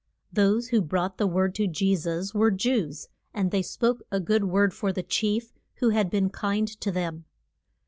Those who brought the word to Je sus were Jews, and they spoke a good word for the chief, who had been kind to them.